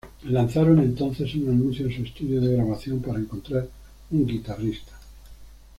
Lanzaron entonces un anuncio en su estudio de grabación para encontrar un guitarrista.